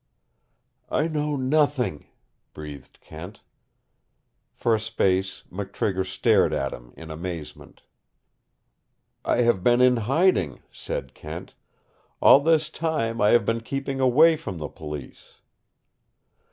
"I know nothing," breathed Kent. For a space McTrigger stared at him in amazement "I have been in hiding," said Kent. "All this time I have been keeping away from the Police."